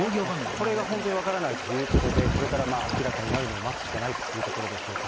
これが本当に分からないということで、これから明らかになるのを待つしかないというところでしょうか。